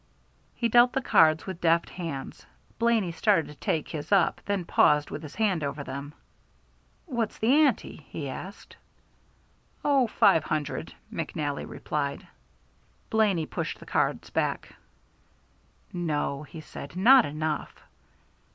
He dealt the cards with deft hands. Blaney started to take his up, then paused with his hand over them. "What's the ante?" he asked. "Oh, five hundred?" McNally replied. Blaney pushed the cards back. "No," he said, "not enough."